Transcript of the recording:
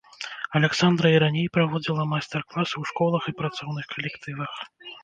Аляксандра і раней праводзіла майстар-класы ў школах і працоўных калектывах.